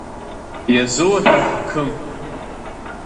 Иазуҳәар ҳақым…